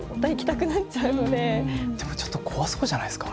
でもちょっと怖そうじゃないですか？